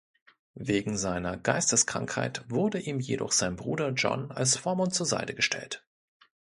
Wegen seiner Geisteskrankheit wurde ihm jedoch sein Bruder John als Vormund zur Seite gestellt.